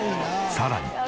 さらに。